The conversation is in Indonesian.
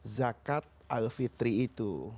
zakat al fitri itu